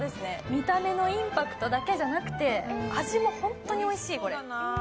見た目のインパクトだけでなく、味も本当においしい、これ。